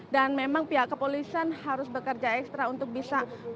dan memang pihak kepolisian harus bekerja ekstra untuk mengetahui hal hal yang terjadi di sini